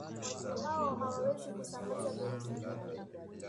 watu hao hawawezi kusambaza virusi hivyo